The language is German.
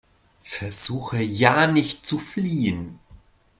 Versuche ja nicht zu fliehen!